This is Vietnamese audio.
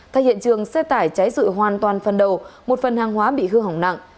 thay hiện trường xe tải cháy rụi hoàn toàn phần đầu một phần hàng hóa bị hư hỏng nặng